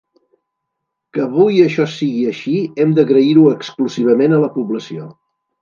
Que avui això sigui així hem d'agrair-ho exclusivament a la població.